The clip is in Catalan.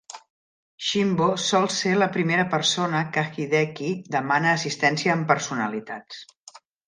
Shinbo sol ser la primera persona que Hideki demana assistència amb personalitats.